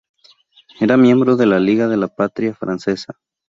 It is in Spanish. Era miembro de la Liga de la Patria Francesa.